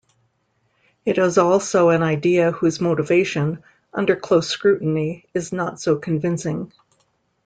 It is also an idea whose motivation, under close scrutiny, is not so convincing.